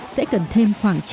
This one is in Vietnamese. sẽ cần thêm khoảng